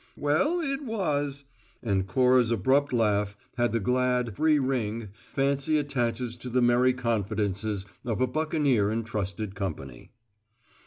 "Well, it was!" And Cora's abrupt laugh had the glad, free ring fancy attaches to the merry confidences of a buccaneer in trusted company.